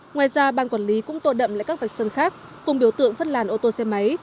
ngoài ra bang quản lý cũng tội đậm lại các vạch sân khác cùng biểu tượng phân làn ô tô xe máy